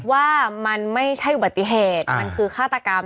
ว่ามันไม่ใช่อุบัติเหตุมันคือฆาตกรรม